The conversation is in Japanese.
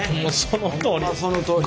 そのとおり！